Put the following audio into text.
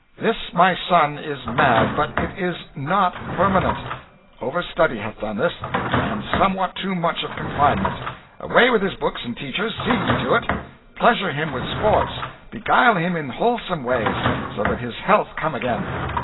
This my son is mad; but it is not permanent. Over study hath done this, and somewhat too much of confinement. Away with his books and teachers! see ye to it. Pleasure him with sports, beguile him in wholesome ways, so that his health come again."